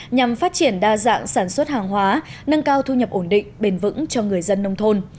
nhằm phát triển đa dạng sản xuất hàng hóa nâng cao thu nhập ổn định bền vững cho người dân nông thôn